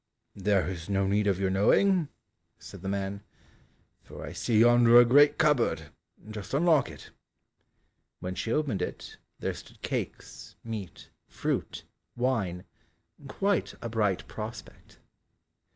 "There is no need of your knowing," said the man, "for I see yonder a great cupboard, just unlock it." When she opened it, there stood cakes, meat, fruit, wine, quite a bright prospect.